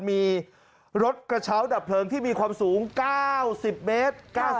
มีรถกระเช้าดับเพลิงที่มีความสูง๙๐เมตร